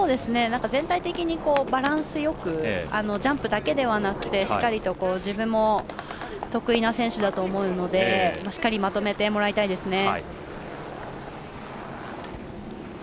全体的にバランスよくジャンプだけではなくてしっかりと自分も得意な選手だと思うのでしっかりまとめてもらいたいです。